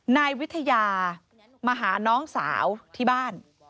นายวิทยามาหาน้องสาวที่บ้าน